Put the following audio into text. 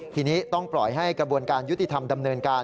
ทีนี้ต้องปล่อยให้กระบวนการยุติธรรมดำเนินการ